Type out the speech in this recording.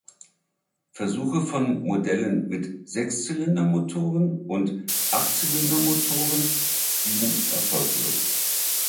Versuche von Modellen mit Sechszylindermotoren und Achtzylindermotoren blieben erfolglos.